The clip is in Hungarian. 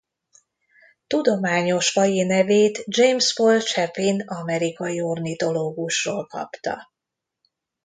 Tudományos faji nevét James Paul Chapin amerikai ornitológusról kapta.